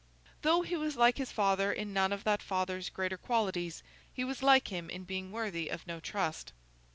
Though he was like his father in none of that father's greater qualities, he was like him in being worthy of no trust.